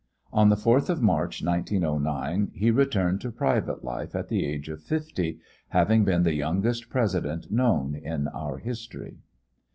On the 4th of March, 1909, he returned to private life at the age of fifty, having been the youngest President known to our history.